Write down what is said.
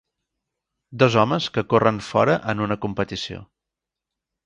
Dos homes que corren fora en una competició.